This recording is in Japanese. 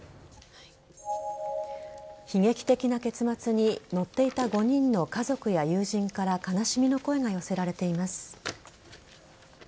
悲劇的な結末に乗っていた５人の家族や友人から悲しみの声が寄せられています。